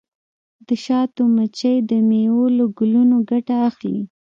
د شاتو مچۍ د میوو له ګلونو ګټه اخلي.